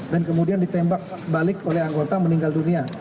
dan kemudian ditembak balik oleh anggota meninggal dunia